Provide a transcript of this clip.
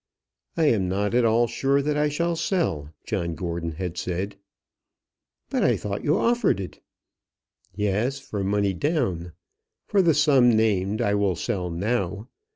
"I am not at all sure that I shall sell," John Gordon had said. "But I thought that you offered it." "Yes; for money down. For the sum named I will sell now.